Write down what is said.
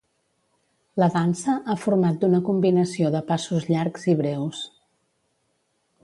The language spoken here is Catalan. La dansa ha format d'una combinació de passos llargs i breus.